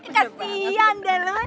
kasian deh lo